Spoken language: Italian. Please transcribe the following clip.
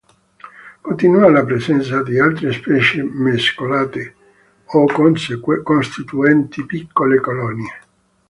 Continua la presenza di altre specie mescolate o costituenti piccole colonie.